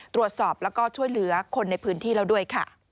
ตรวจสอบแล้วก็ช่วยเหลือคนในพื้นที่แล้วด้วยค่ะ